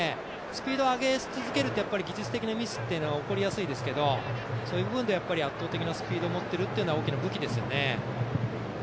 スピードを上げ続けるとやっぱり技術的なミスって起こりやすいですけどそういう部分で圧倒的なスピードを持っているというのは大きな武器ですよね。